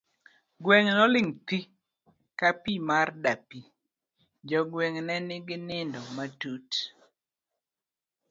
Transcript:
Gweng' noling' thi ka pi mar dapi, jogweng' ne nigi nindo matut.